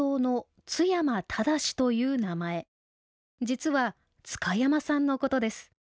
実は津嘉山さんのことです。